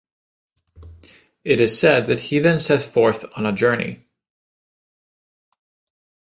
It is said that he then set forth on a journey.